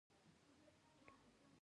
ښوونځی باید مناسب چاپیریال ولري.